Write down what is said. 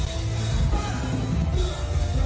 ก็ลุงใจมา